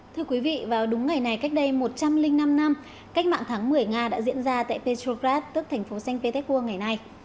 thưa quý vị vào đúng ngày này cách đây một trăm linh năm năm cách mạng tháng một mươi nga đã diễn ra tại petrograt tức thành phố xanh petersburg ngày nay